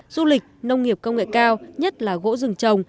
du lịch nông nghiệp công nghệ cao nhất là gỗ rừng trồng